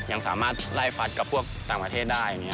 ยังสามารถไล่ฟัดกับพวกต่างประเทศได้